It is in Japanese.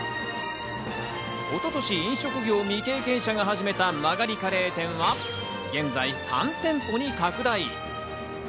一昨年、飲食業未経験者が始めた間借りカレー店は現在、３店舗に拡大。